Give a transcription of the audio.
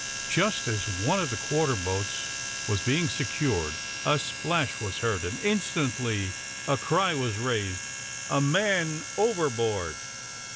Just as one of the quarter boats was being secured, a splash was heard, and instantly the cry was raised of "A man overboard!"